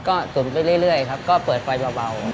ก็ตุ๋นไปเรื่อยครับก็เปิดไฟเบา